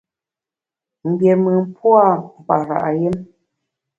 Mgbiémùn pua’ mkpara’ yùm.